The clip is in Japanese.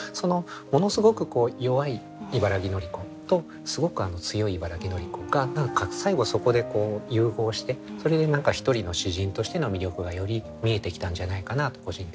ものすごく弱い茨木のり子とすごく強い茨木のり子が最後はそこで融合してそれで何か一人の詩人としての魅力がより見えてきたんじゃないかなと個人的には思いますね。